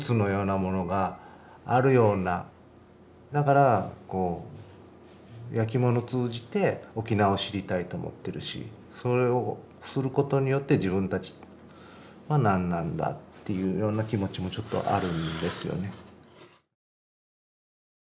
だからこう焼き物通じて沖縄を知りたいと思ってるしそれをすることによって自分たちは何なんだっていうような気持ちもちょっとあるんですよね。